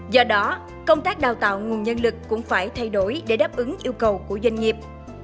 do đó công tác đào tạo nguồn nhân lực cũng phải thay đổi để đáp ứng yêu cầu của doanh nghiệp